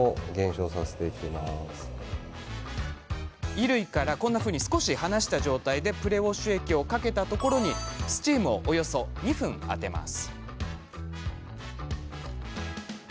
衣類から少し離した状態でプレウォッシュ液をかけたところにスチームをおよそ２分、当てます。